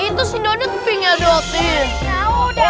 itu si dodot pink ya dotin